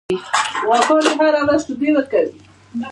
غواګانې هره ورځ شیدې ورکوي.